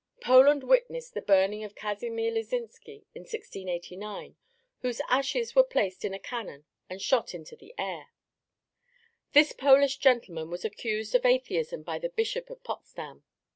Poland witnessed the burning of Cazimir Liszinski in 1689, whose ashes were placed in a cannon and shot into the air. This Polish gentleman was accused of atheism by the Bishop of Potsdam.